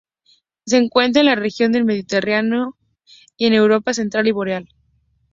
Se encuentra en la región del Mediterráneo y en Europa central y boreal.